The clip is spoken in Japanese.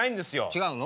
違うの？